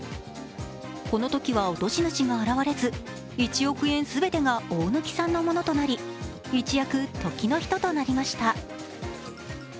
このときは落とし主が現れず、１億円全てが大貫さんのものとなり一躍、時の人となりました。